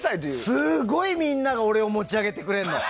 すごいみんなが俺を持ち上げてくれるの。